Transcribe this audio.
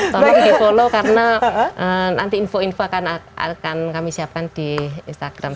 tolong di follow karena nanti info info akan kami siapkan di instagram